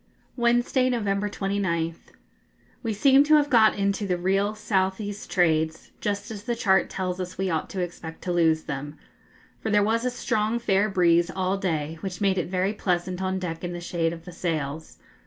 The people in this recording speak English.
Wednesday, November 29th. We seem to have got into the real south east trades, just as the chart tells us we ought to expect to lose them; for there was a strong fair breeze all day, which made it very pleasant on deck in the shade of the sails.